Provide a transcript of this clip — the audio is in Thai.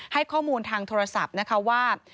ให้ข้อมูลทางโทรศัพท์นะคะว่า